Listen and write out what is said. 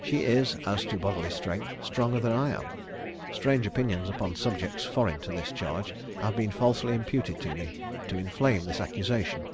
She is, as to bodily strength, stronger than I am. Strange opinions, upon subjects foreign to this charge, have been falsely imputed to me, to inflame this accusation.